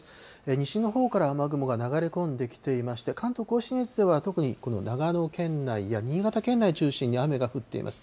西日本から雨雲が流れ込んできていまして、関東甲信越では、特にこの長野県内や新潟県内を中心に雨が降っています。